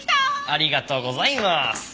ありがとうございます！